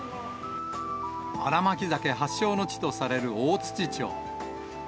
新巻鮭発祥の地とされる大槌町。